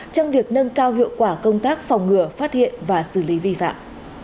trong việc nâng cao hiệu quả công tác phòng ngừa phát hiện và xử lý vi phạm